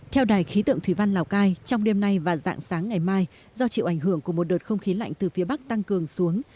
theo đài khí tượng thủy văn lào cai trong đêm nay và dạng sáng ngày mai do chịu ảnh hưởng của một đợt không khí lạnh từ phía bắc tăng cường xuống